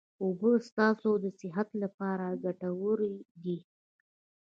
اوبه ستاسو د صحت لپاره ګټوري دي